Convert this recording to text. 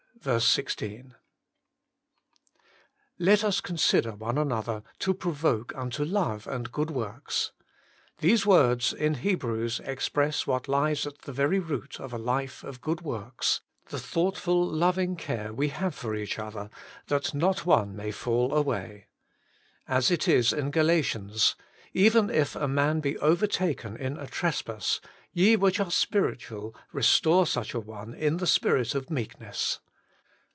i T ET us consider one another to pro 1 ' voke unto love and good works '— these words in Hebrews express what lies at the very root of a life of good works — the thoughtful loving care we have for each other, that not one may fall away. As it is in Galatians :' Even if a man be overtaken in a trespass, ye which are spir itual, restore such a one in the spirit of meekness.